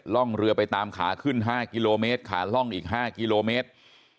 ร่องเรือไปตามขาขึ้น๕กิโลเมตรขาล่องอีก๕กิโลเมตร